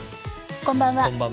こんばんは。